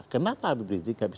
kenapa habib rizik gak bisa